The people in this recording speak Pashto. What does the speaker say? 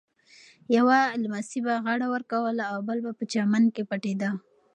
یوه لمسي به غاړه ورکوله او بل به په چمن کې پټېده.